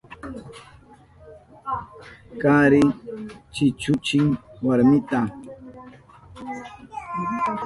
Kari chichuchin warminta.